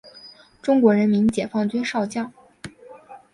中国人民解放军少将。